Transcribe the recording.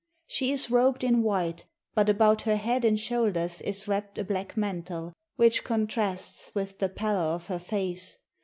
She is robed in white, but about her head and shoulders is wrapped a black mantle, which contrasts with the pallor of her face.